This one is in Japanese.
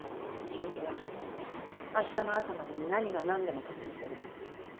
承認はあしたの朝までに何が何でも取ってみせる。